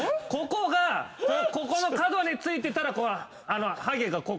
ここがここの角に付いてたらハゲが。